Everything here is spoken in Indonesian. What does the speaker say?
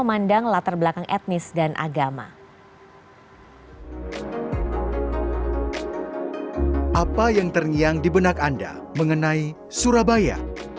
apa yang terngiang di benak anda mengenai surabaya